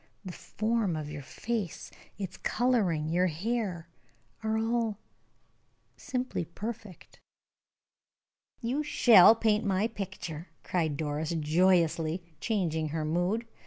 The form of your face, its coloring, your hair, are all simply perfect!" "You shall paint my picture!" cried Doris, joyously, changing her mood.